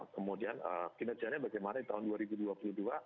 kemudian kinerjanya bagaimana di tahun dua ribu dua puluh dua